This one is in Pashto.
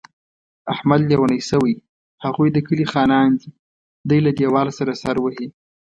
احمد لېونی شوی، هغوی د کلي خانان دي. دی له دېوال سره سر وهي.